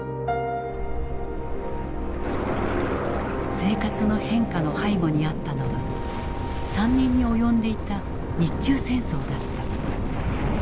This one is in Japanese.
生活の変化の背後にあったのは３年に及んでいた日中戦争だった。